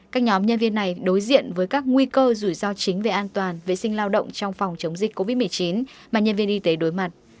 các nhóm nhân viên này đối diện với các nguy cơ rủi ro chính về an toàn vệ sinh lao động trong phòng chống dịch covid một mươi chín mà nhân viên y tế đối mặt